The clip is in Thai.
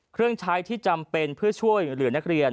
เครื่องใช้ที่จำเป็นเพื่อช่วยเหลือนักเรียน